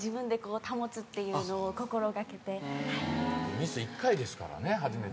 ミス１回ですからね初めてで。